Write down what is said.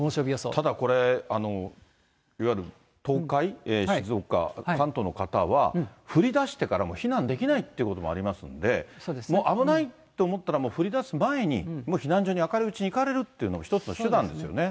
ただ、これ、いわゆる東海、静岡、関東の方は、降りだしてからも避難できないってこともありますので、もう危ないって思ったら、もう降りだす前に、避難所に、明るいうちに行かれるっていうのは一つの手段ですよね。